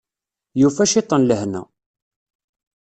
Yufa ciṭ n lehna.